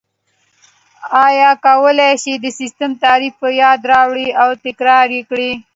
ایا کولای شئ د سیسټم تعریف په یاد راوړئ او تکرار یې کړئ؟